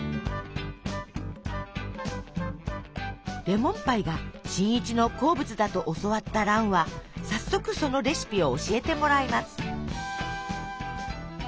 レモンパイが新一の好物だと教わった蘭は早速そのレシピを教えてもらいます。